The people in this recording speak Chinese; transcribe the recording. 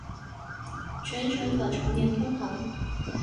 全程可常年通航。